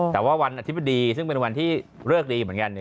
แต่ว่าวันอาทิตย์มันดีซึ่งเป็นวันที่เลิกดีเหมือนกัน